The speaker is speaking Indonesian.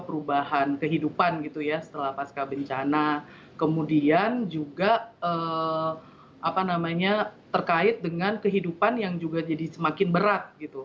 perubahan kehidupan setelah pasca bencana kemudian juga terkait dengan kehidupan yang semakin berat